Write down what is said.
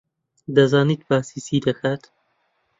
دەزانێت باسی چی دەکات.